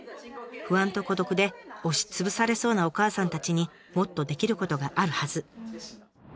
不安と孤独で押しつぶされそうなお母さんたちにもっとできることがあるはず。